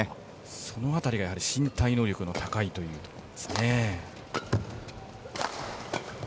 その辺りが身体能力の高いというところ。